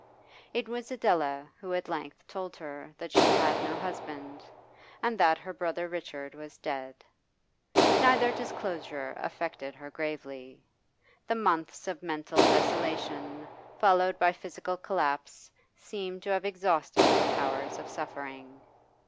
It was Adela who at length told her that she had no husband, and that her brother Richard was dead. Neither disclosure affected her gravely. The months of mental desolation followed by physical collapse seemed to have exhausted her powers of suffering.